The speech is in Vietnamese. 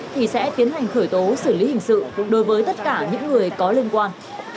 thì sẽ tiến hành khởi tố xử lý hình sự đối với tất cả những người có liên quan